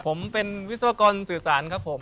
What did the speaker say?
ผมเป็นวิศวกรสื่อสารครับผม